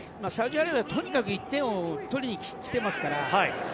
サウジアラビアはとにかく１点を取りにきていますから。